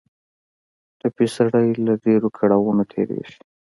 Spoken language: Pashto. ټپي سړی له ډېرو کړاوونو تېرېږي.